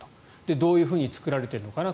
どういうふうに作られてるのかな